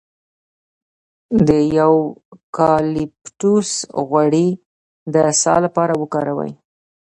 د یوکالیپټوس غوړي د ساه لپاره وکاروئ